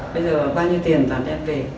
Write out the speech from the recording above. bây giờ bao nhiêu tiền toán em về